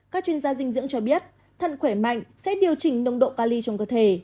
các chuyên gia dinh dưỡng cho biết thận khỏe mạnh sẽ điều chỉnh nông độ cali trong cơ thể